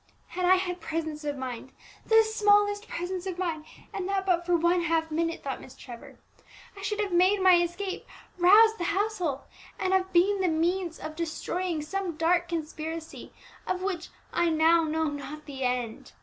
"Had I had presence of mind, the smallest presence of mind, and that but for one half minute," thought Miss Trevor, "I should have made my escape, roused the household, and have been the means of destroying some dark conspiracy of which I now know not the end.